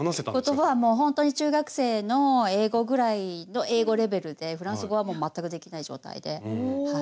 言葉はもうほんとに中学生の英語ぐらいの英語レベルでフランス語はもう全くできない状態ではい。